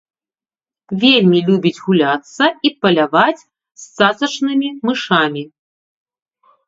Вельмі любіць гуляцца і паляваць за цацачным мышам.